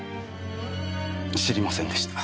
知りませんでした。